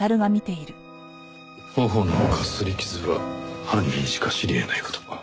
頬のかすり傷は犯人しか知り得ない事。